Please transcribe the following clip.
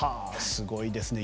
すごいですね。